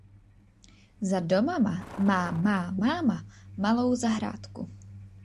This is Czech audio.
Za domama má má máma malou zahrádku.